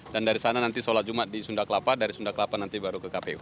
dan dari sana nanti sholat jumat di sunda kelapa dari sunda kelapa nanti baru ke kpu